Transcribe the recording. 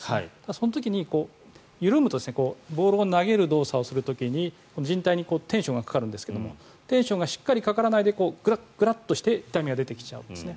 その時に緩むとボールを投げる動作をする時にじん帯にテンションがかかるんですがテンションがしっかりかからないでグラグラとして痛みが出てきちゃうんですね。